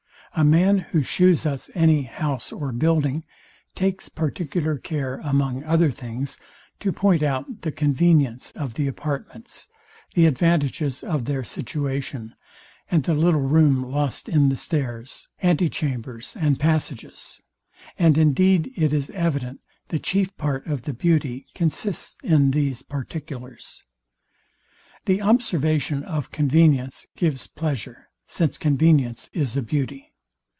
A man, who shews us any house or building, takes particular care among other things to point out the convenience of the apartments, the advantages of their situation, and the little room lost in the stairs, antichambers and passages; and indeed it is evident, the chief part of the beauty consists in these particulars. The observation of convenience gives pleasure, since convenience is a beauty.